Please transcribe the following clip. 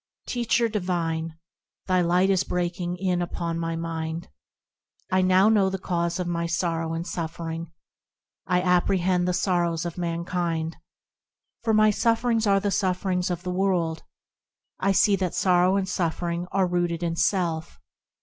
Teacher divine ! Thy light is breaking in upon my mind, I now know the cause of my sorrow and suffering ; I apprehend the sorrows of mankind, For my sufferings are the sufferings of the world ; I see that sorrow and suffering are rooted in self.